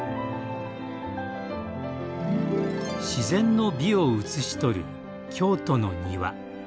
自然の美を映しとる京都の庭。